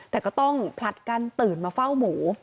แต่ก็ต้องผลัดกันตื่นมาเฝ้าหมู